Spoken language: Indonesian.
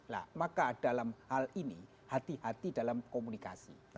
nah maka dalam hal ini hati hati dalam komunikasi